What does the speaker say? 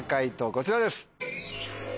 こちらです。